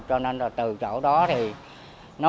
cho nên từ chỗ đó